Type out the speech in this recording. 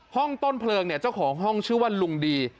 ห้องต้นเพลิงเนี่ยเจ้าของห้องชื่อว่าลุงดี